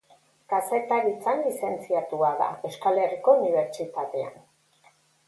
Kazetaritzan lizentziatua da, Euskal Herriko Unibertsitatean.